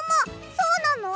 そうなの！？